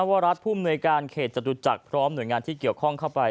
วรัฐภูมิหน่วยการเขตจตุจักรพร้อมหน่วยงานที่เกี่ยวข้องเข้าไป